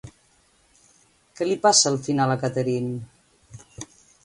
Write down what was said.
Què li passa al final a Catherine?